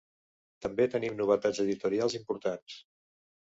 També tenim novetats editorials importants.